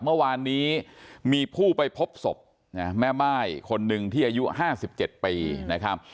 เมื่อวานนี้มีผู้ไปพบศพแม่ม่ายคนหนึ่งที่อายุ๕๗ปีนะครับ